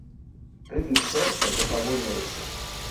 Рытм іх сэрца запавольваецца.